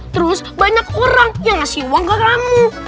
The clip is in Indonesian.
terus banyak orang yang ngasih uang ke kamu